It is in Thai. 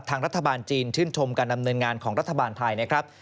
ทางรัฐบาลจีนชื่นชมการดำเนินงานของรัฐบาลไทยนะครับ